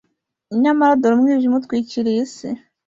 nyamara dore umwijima utwikiriye isi,